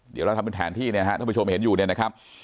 เดี๋ยวเราทำเป็นแผนที่เนี่ยฮะท่านผู้ชมเห็นอยู่เนี่ยนะครับ